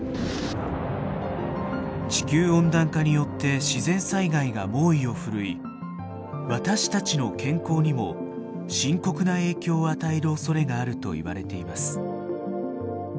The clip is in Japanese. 地球温暖化によって自然災害が猛威を振るい私たちの健康にも深刻な影響を与えるおそれがあるといわれています。